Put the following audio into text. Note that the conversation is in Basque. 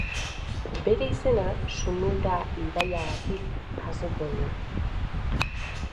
Bere izena Sumida ibaiagatik jasotzen du.